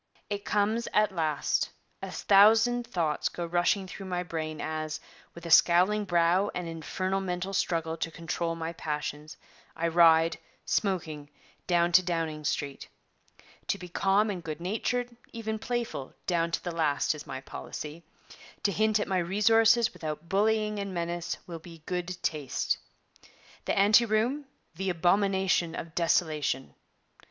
'It comes at last: a thousand thoughts go rushing through my brain as, with a scowling brow and infernal mental struggle to control my passions, I ride, smoking, down to Downing Street. To be calm and good natured, even playful, down to the last, is my policy; to hint at my resources without bullying and menace will be good taste. The Ante Room, the Abomination of Desolation.